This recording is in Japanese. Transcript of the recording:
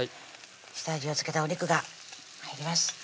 下味を付けたお肉が入ります